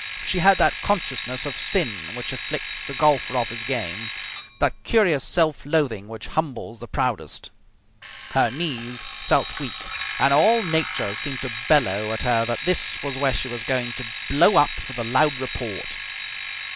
She had that consciousness of sin which afflicts the golfer off his game, that curious self loathing which humbles the proudest. Her knees felt weak and all nature seemed to bellow at her that this was where she was going to blow up with a loud report.